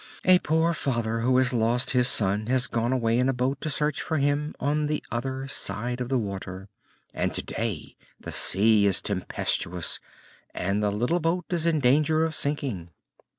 "A poor father who has lost his son has gone away in a boat to search for him on the other side of the water, and today the sea is tempestuous and the little boat is in danger of sinking."